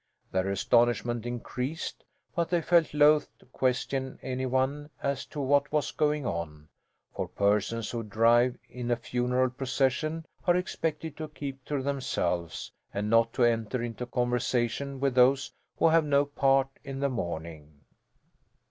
Their astonishment increased, but they felt loath to question any one as to what was going on; for persons who drive in a funeral procession are expected to keep to themselves and not to enter into conversation with those who have no part in the mourning.